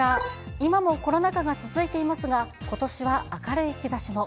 今もコロナ禍が続いていますが、ことしは明るい兆しも。